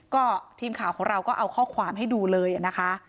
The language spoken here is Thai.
ก็ทีมข่าวของเราก็เอาข้อความให้ดูเลยนะคะ